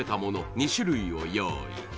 ２種類を用意